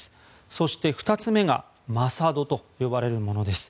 そして２つ目がまさ土と呼ばれるものです。